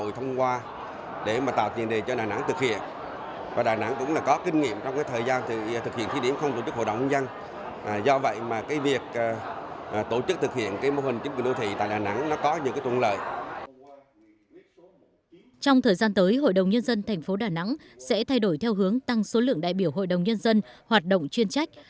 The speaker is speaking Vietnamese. trong thời gian tới hội đồng nhân dân thành phố đà nẵng sẽ thay đổi theo hướng tăng số lượng đại biểu hội đồng nhân dân hoạt động chuyên trách